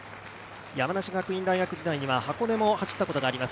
山梨大学大学院時代には箱根も走ったことがあります。